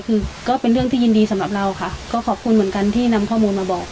คือก็เป็นเรื่องที่ยินดีสำหรับเราค่ะก็ขอบคุณเหมือนกันที่นำข้อมูลมาบอก